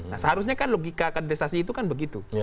nah seharusnya kan logika kaderisasi itu kan begitu